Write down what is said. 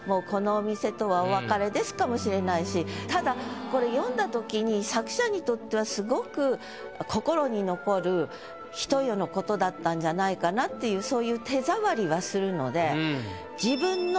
ただこれ読んだ時に作者にとってはすごく。のことだったんじゃないかなっていうそういう手触りはするので。